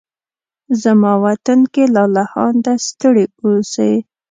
زما وطن کې لالهانده ستړي اوسې